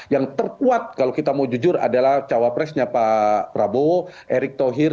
yang terkuat kalau kita mau jujur adalah cawapresnya pak prabowo erick thohir